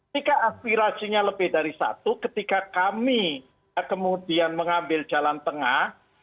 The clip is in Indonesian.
jika aspirasinya lebih dari satu ketika kami kemudian mengambil jalan tengah